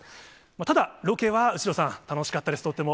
ただ、ロケは後呂さん、楽しかったです、とっても。